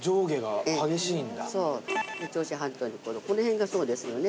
この辺がそうですよね。